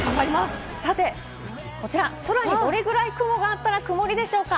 さてこちら、空にどれぐらい雲があったら、くもりでしょうか？